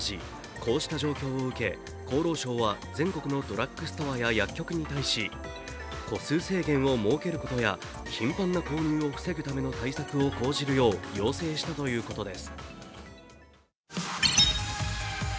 こうした状況を受け、厚労省は全国のドラッグストアや薬局に対し個数制限を設けることや頻繁な購入を防ぐための対策を講じるよう要請したということです。